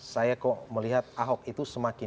saya kok melihat ahok itu semakin